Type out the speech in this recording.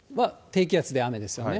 低気圧で雨ですよね。